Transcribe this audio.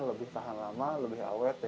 lebih tahan lama lebih awet dan juga lebih segan